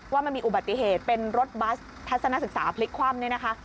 ว่ามันมีอุบัติเหตุเป็นรถบัสทัศนศึกษาพลิกคว่ำเนี่ยนะคะ